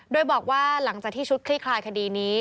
โดยบอกว่าหลังจากที่ชุดคลี่คลายคดีนี้